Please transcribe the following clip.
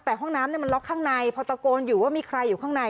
แต่ห้องน้ำมันล็อกข้างในพอตะโกนอยู่ว่ามีใครอยู่ข้างใน